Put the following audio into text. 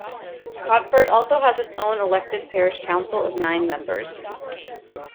Codford also has its own elected parish council of nine members.